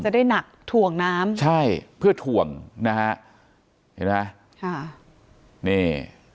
ได้หนักถ่วงน้ำใช่เพื่อถ่วงนะฮะเห็นไหมค่ะนี่